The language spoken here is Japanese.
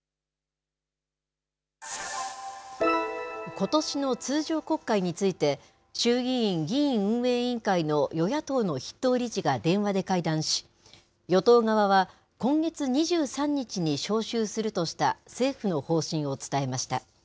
ことしの通常国会について、衆議院議院運営委員会の与野党の筆頭理事が電話で会談し、与党側は今月２３日に召集するとした政府の方針を伝えました。